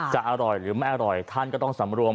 จะอร่อยหรือไม่อร่อยท่านก็ต้องสำรวม